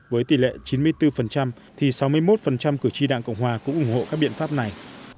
với tỷ lệ chín mươi bốn thì sáu mươi một cử tri đảng cộng hòa cũng ủng hộ các biện pháp này